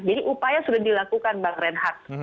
jadi upaya sudah dilakukan bang reinhardt